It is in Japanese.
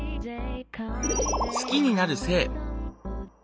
好きになる性。